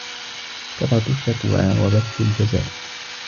كَثْرَةُ الشَّكْوَى وَبَثُّ الْجَزَعِ